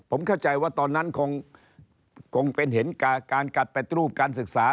ผมเข้าใจว่าตอนนั้นคงเป็นเห็นการกัดแปดรูปการศึกษา